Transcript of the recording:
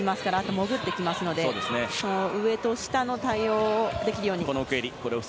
潜ってきますから上と下の対応をできるように。